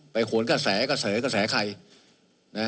ไปขนกระแสกระเสกระแสใคร